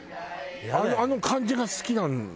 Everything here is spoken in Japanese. あの感じが好きなんだね。